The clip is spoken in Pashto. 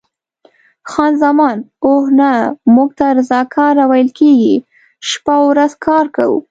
خان زمان: اوه، نه، موږ ته رضاکاره ویل کېږي، شپه او ورځ کار کوو.